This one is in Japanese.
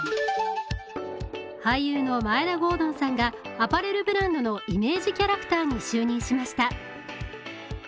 俳優の眞栄田郷敦さんがアパレルブランドのイメージキャラクターに就任しました。